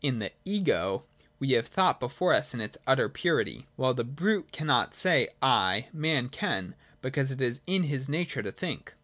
In the ' Ego,' we have thought before us in its utter purity. While the brute cannot say ' I,' man can, because it is his nature to think.